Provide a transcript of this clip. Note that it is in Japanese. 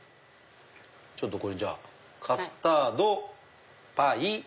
ちょっとこれじゃあカスタードパイ。